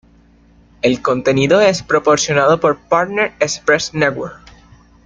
El contenido es proporcionado por Panther Express network.